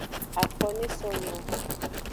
Afo ne so no wo.